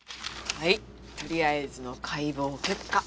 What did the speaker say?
はいとりあえずの解剖結果。